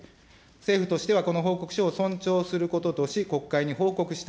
政府としてはこの報告書を尊重することとし、国会に報告した。